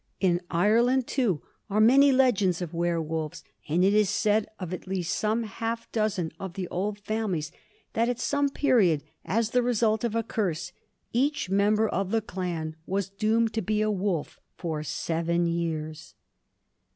In Ireland, too, are many legends of werwolves; and it is said of at least some half dozen of the old families that at some period as the result of a curse each member of the clan was doomed to be a wolf for seven years.